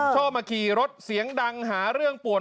ชอบมาขี่รถเสียงดังหาเรื่องปวด